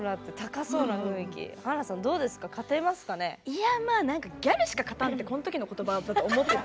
いやまあ何か「ギャルしか勝たん」ってこん時の言葉だと思ってて。